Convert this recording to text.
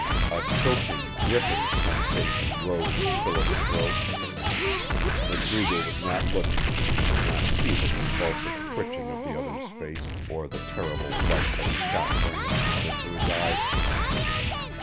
A choking, gripping sensation rose in Philip's throat. MacDougall was not looking, and did not see the convulsive twitching of the other's face, or the terrible light that shot for an instant into his eyes.